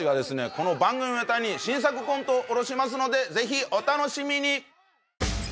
この番組のために新作コントをおろしますのでぜひお楽しみに！